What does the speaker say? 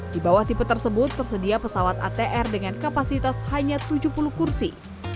di bawah tipe tersebut tersedia pesawat atr dengan kapasitas hanya tujuh puluh kursi